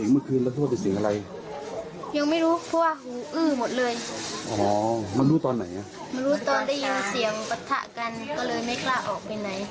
เมื่อรู้ตอนไหนรู้ตอนได้ยินเสียงปะทะกันก็เลยไม่กล้าออกไปไหน